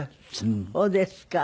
そうですか。